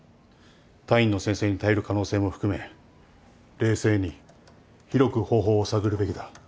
他院の先生に頼る可能性も含め冷静に広く方法を探るべきだ。